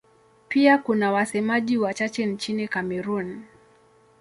Pia kuna wasemaji wachache nchini Kamerun.